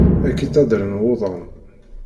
Ad k-id-ttaddren wuḍan.